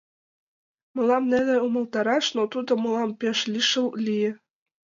Мылам неле умылтараш, но тудо мылам пеш лишыл лие.